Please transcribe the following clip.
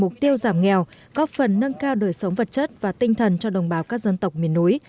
mục tiêu giảm nghèo góp phần nâng cao đời sống vật chất và tinh thần cho đồng bào các dân tộc miền núi